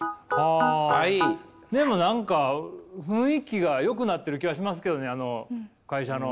でも何か雰囲気がよくなってる気はしますけどねあの会社の。